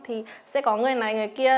thì sẽ có người này người kia